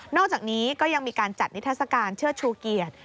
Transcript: อกจากนี้ก็ยังมีการจัดนิทัศกาลเชิดชูเกียรติ